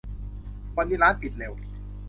วันนี้ร้านปิดเร็ว